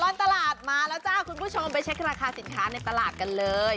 ตลอดตลาดมาแล้วจ้าคุณผู้ชมไปเช็คราคาสินค้าในตลาดกันเลย